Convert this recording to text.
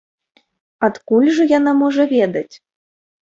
Адкуль жа яна можа ведаць?